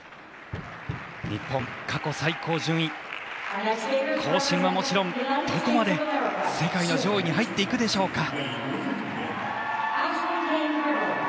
日本、過去最高順位更新はもちろんどこまで世界の上位に入っていくでしょうか。